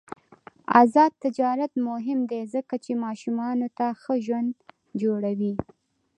آزاد تجارت مهم دی ځکه چې ماشومانو ته ښه ژوند جوړوي.